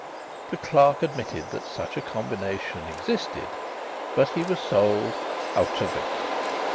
The clerk admitted that such a combination existed, but he was sold "out of it."